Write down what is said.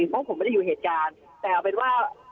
เพราะผมไม่ได้อยู่เหตุการณ์แต่เอาเป็นว่า